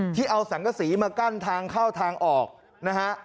ที่เอาสังกษีมากั้นทางเข้าทางออกนะฮะ